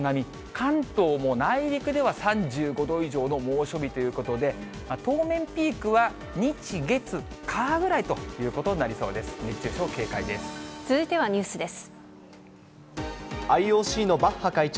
関東も内陸では３５度以上の猛暑日ということで、当面、ピークは日月火ぐらいということになりそうです。